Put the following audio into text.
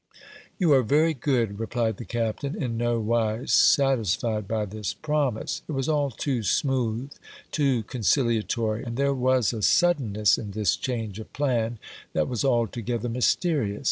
"You are very good," replied the Captain, in nowise satisfied by this promise. It was all too smooth, too conciliatory. And there was a suddenness in this change of plan that was altogether mysterious.